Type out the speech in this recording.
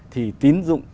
thì tín dụng